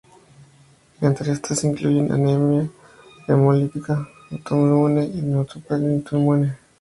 Entre estas se incluyen: anemia hemolítica autoinmune, neutropenia autoinmune, trombocitopenia autoinmune.